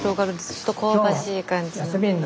ちょっと香ばしい感じの。